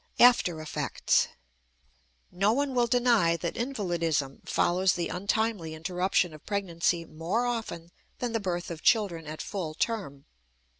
AFTER EFFECTS. No one will deny that invalidism follows the untimely interruption of pregnancy more often than the birth of children at full term.